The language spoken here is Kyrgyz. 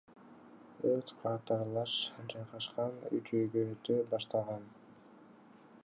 Өрт катарлаш жайгашкан үч үйгө өтө баштаган.